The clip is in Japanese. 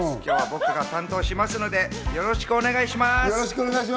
僕が担当しますので、よろしくお願いします。